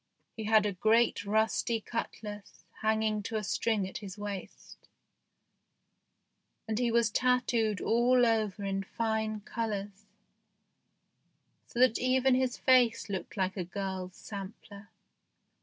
He had a great rusty cutlass hanging to a string at his waist, and he was tattooed all over in fine colours, so that even his face looked like a girl's sampler.